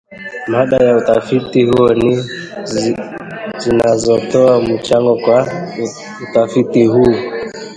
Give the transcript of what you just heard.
mada ya utafiti huu na zinazotoa mchango kwa utafiti huu